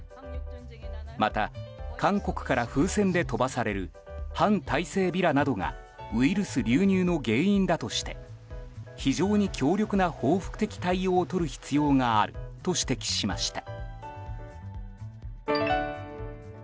また、韓国から風船で飛ばされる反体制ビラなどがウイルス流入の原因だとして非常に強力な報復的対応をとる必要があると指摘しました。